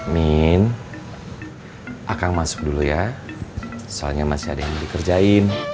min akan masuk dulu ya soalnya masih ada yang dikerjain